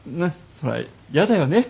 そりゃ嫌だよね